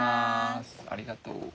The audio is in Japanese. ありがとう。